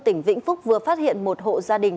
tỉnh vĩnh phúc vừa phát hiện một hộ gia đình